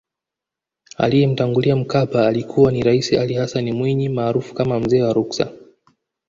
Aliyemtangulia Mkapa alikuwa ni Raisi Ali Hassan Mwinyi maarufu kama mzee wa ruksa